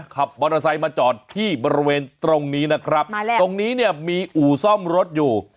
ขับมอเตอร์ไซค์มาจอดที่บริเวณตรงนี้นะครับมาแล้วตรงนี้เนี่ยมีอู่ซ่อมรถอยู่